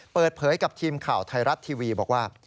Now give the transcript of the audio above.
เปิดเผยกับทีมข่าวไทยรัฐทีวีบอกว่า